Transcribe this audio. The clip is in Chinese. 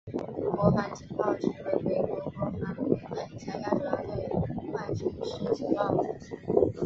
国防情报局为美国国防部辖下主要对外军事情报组织。